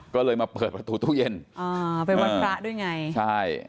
ก็เลยมาเปิดประตูตู้เย็นอ๋อเป็นวันพระด้วยไงใช่